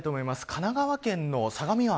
神奈川県の相模湾。